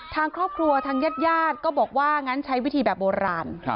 ทางครอบครัวทางญาติญาติก็บอกว่างั้นใช้วิธีแบบโบราณ